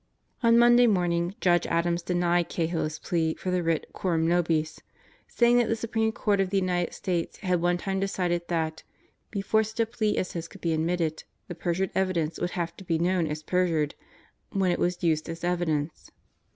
On Monday morning Judge Adams denied Cahill his plea for Out of the DeviTs Clutches 161 the writ coram nobis, saying that the Supreme Court of the United States had one time decided that, before such a plea as his could be admitted, the perjured evidence would have to be known as perjured when it was used as evidence.